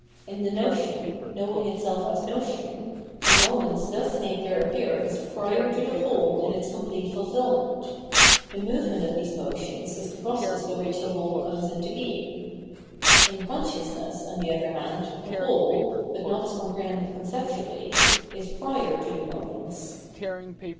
In the notion, knowing itself as notion, the moments thus make their appearance prior to the whole in its complete fulfilment ; the movement of these moments is the process by which 813 Absolute Knowledge the whole comes into being. In consciousness, on the other hand, the whole — but not as comprehended con ceptually — is prior to the moments.